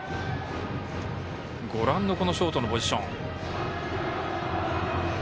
ご覧のショートのポジション。